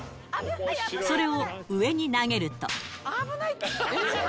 それを上に投げると。